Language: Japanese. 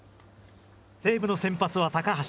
西武の先発は高橋。